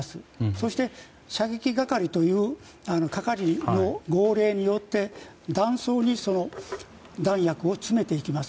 そして、射撃係という係の号令によって弾倉に弾薬を詰めていきます。